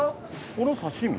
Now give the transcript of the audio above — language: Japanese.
この刺し身？